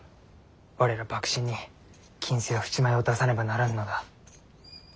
我ら幕臣に金子や扶持米を出さねばならぬのだ。